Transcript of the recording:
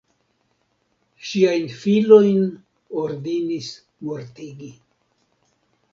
Ŝiajn filojn ordonis mortigi.